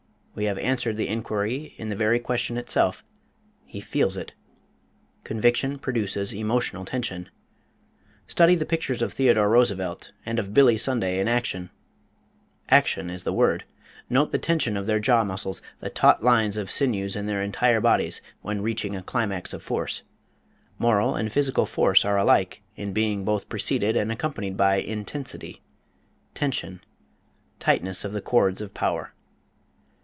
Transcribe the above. We have answered the inquiry in the very question itself he feels it: Conviction produces emotional tension. Study the pictures of Theodore Roosevelt and of Billy Sunday in action action is the word. Note the tension of their jaw muscles, the taut lines of sinews in their entire bodies when reaching a climax of force. Moral and physical force are alike in being both preceded and accompanied by in tens ity tension tightness of the cords of power.